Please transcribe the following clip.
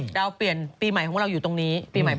ดาวร์เปลี่ยนเปียนใหม่ของเราอยู่ตรงนี้